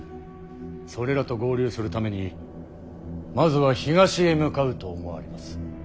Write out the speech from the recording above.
それらと合流するためにまずは東へ向かうと思われます。